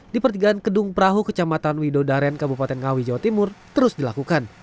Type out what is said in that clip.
di pertigaan kedung perahu kecamatan widodaren kabupaten ngawi jawa timur terus dilakukan